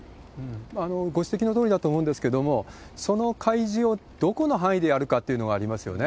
ご指摘のとおりだと思うんですけれども、その開示をどこの範囲でやるかっていうのがありますよね。